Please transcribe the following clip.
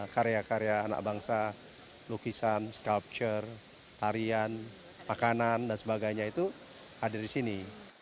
karya karya anak bangsa lukisan sculpture tarian makanan dan sebagainya itu ada di sini